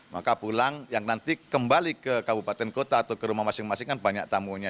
maka pulang yang nanti kembali ke kabupaten kota atau ke rumah masing masing kan banyak tamunya